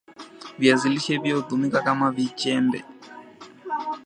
viazi lishe pia hutumika kama vichembe